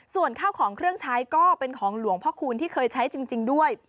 ส่วนข้าวของเครื่องใช้ก็เป็นของหลวงพ่อคูณที่เคยใช้จริงด้วย